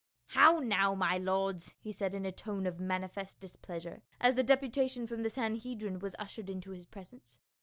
" How now, my lords," he said in a tone of mani fest displeasure, as the deputation from the Sanhedrim was ushered into his presence.